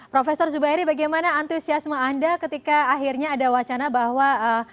profesor zubairi bagaimana antusiasme anda ketika akhirnya ada wacana bahwa